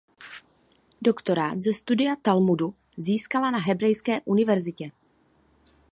Doktorát ze studia Talmudu získala na Hebrejské univerzitě.